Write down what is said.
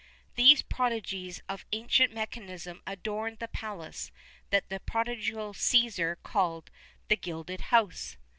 [XXXI 6] These prodigies of ancient mechanism adorned the palace that the prodigal Cæsar called "the gilded house."